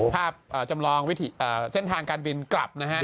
นี้ภาพประจำลองเส้นทางการบินกลับนะฮะ